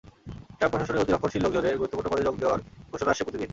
Trump প্রশাসনে অতিরক্ষণশীল লোকজনের গুরুত্বপূর্ণ পদে যোগ দেওয়ার ঘোষণা আসছে প্রতিদিন।